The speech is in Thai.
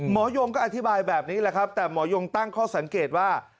ยงก็อธิบายแบบนี้แหละครับแต่หมอยงตั้งข้อสังเกตว่า